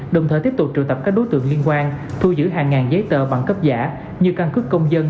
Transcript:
đồng thời tiếp tục triệu tập các đối tượng liên quan thu giữ hàng ngàn giấy tờ bằng cấp giả như căn cứ công dân